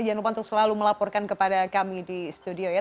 jangan lupa untuk selalu melaporkan kepada kami di studio ya